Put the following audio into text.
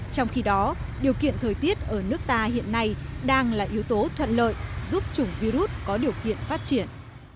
trong khi đó điều kiện thời tiết ở nước ta hiện nay đang là yếu tố thuận lợi giúp chủng virus có điều kiện phát triển